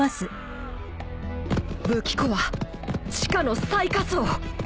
武器庫は地下の最下層